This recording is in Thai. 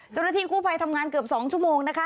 เจ้าหน้าที่กู้ภัยทำงานเกือบ๒ชั่วโมงนะคะ